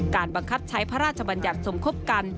บังคับใช้พระราชบัญญัติสมคบกัน